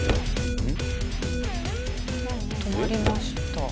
止まりました。